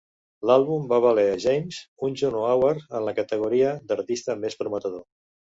L'àlbum va valer a James un Juno Award en la categoria d'"Artista més prometedor".